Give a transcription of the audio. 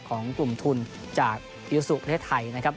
จากกลุ่มทุนจากยูสุกเทศไทยนะครับ